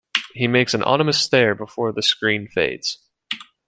He makes an ominous stare before the screen fades.